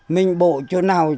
mình bộ chỗ nào